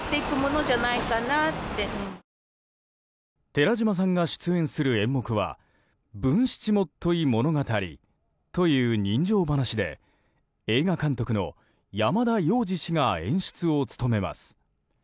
寺島さんが出演する演目は「文七元結物語」という人情噺で映画監督の山田洋次氏が演出を務めます。